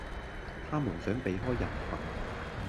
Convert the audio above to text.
他們想避開人群